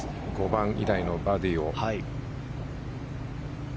５番以来のバーディーを。